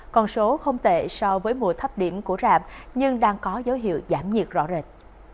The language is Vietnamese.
còn số không tệ so với mùa thấp điểm của rạp nhưng đang có dấu hiệu giảm nhiệt rõ rệt